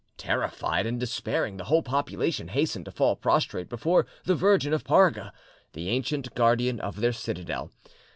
Terrified and despairing, the whole population hastened to fall prostrate before the Virgin of Parga, the ancient guardian of their citadel.